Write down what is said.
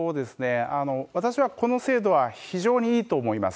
私はこの制度は非常にいいと思います。